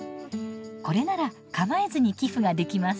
これなら構えずに寄付ができます。